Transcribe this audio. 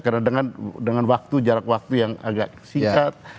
karena dengan jarak waktu yang agak singkat